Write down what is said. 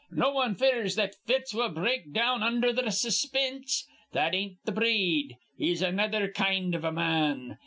No one fears that Fitz will break down undher th' suspinse. That ain't in th' breed. He's another kind iv a man.